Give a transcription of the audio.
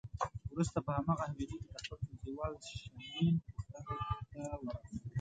وروسته په هماغه حویلی کې د خپل ټولګیوال شېمن پوښتنه ته ورغلم.